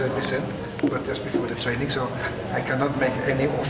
ini adalah kompetisi yang dikenal oleh aff